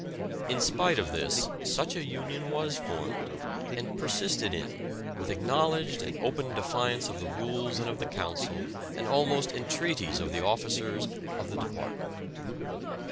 In spite of this such a union was formed and persisted in with acknowledged and open defiance of the rules and of the counsel and almost entreaties of the officers of the department.